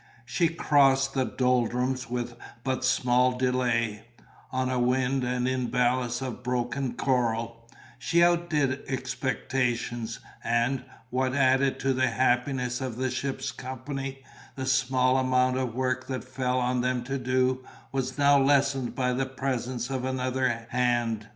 She crossed the doldrums with but small delay; on a wind and in ballast of broken coral, she outdid expectations; and, what added to the happiness of the ship's company, the small amount of work that fell on them to do, was now lessened by the presence of another hand.